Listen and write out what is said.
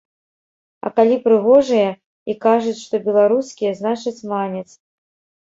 А калі прыгожыя і кажуць, што беларускія, значыць, маняць.